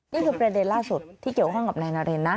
นี่คือประเด็นล่าสุดที่เกี่ยวข้องกับนายนารินนะ